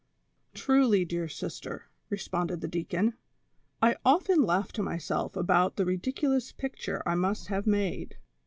"Truly, dear sister," responded the deacon, "I often laugh to myself about the ridiculous picture I must have made.